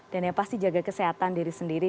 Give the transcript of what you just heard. dan ya pasti jaga kesehatan diri sendiri